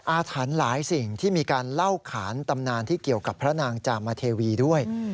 อาถรรพ์หลายสิ่งที่มีการเล่าขานตำนานที่เกี่ยวกับพระนางจามเทวีด้วย